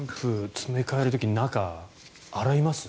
詰め替える時中、洗います？